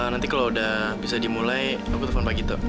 nanti kalau udah bisa dimulai aku telepon pagi tuh